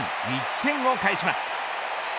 １点をかえします。